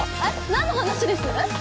何の話です？